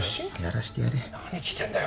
何聞いてんだよ？